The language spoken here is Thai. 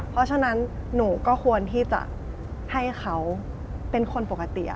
เพราะฉะนั้นหนูก็ควรที่จะให้เขาเป็นคนปกติ